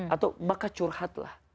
atau maka curhatlah